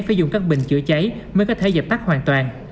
phải dùng các bình chữa cháy mới có thể dập tắt hoàn toàn